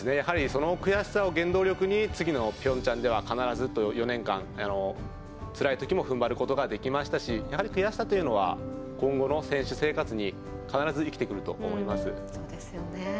その悔しさを原動力に次のピョンチャンでは必ずと４年間、つらいときも踏ん張ることができますしやはり、悔しさというのは今後の選手生活に必ず生きてくると思います。